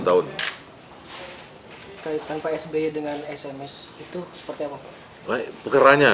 tanpa sbi dengan sms itu seperti apa